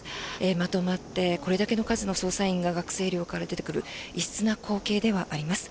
まとまってこれだけの数の捜査員が学生寮から出てくる異質な光景ではあります。